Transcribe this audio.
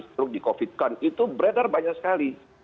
struk di covid sembilan belas itu beredar banyak sekali